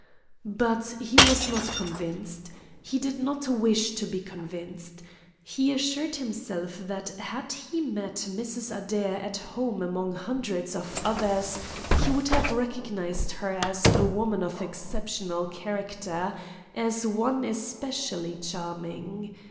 But he was not convinced. He did not wish to be convinced. He assured himself that had he met Mrs. Adair at home among hundreds of others he would have recognized her as a woman of exceptional character, as one especially charming.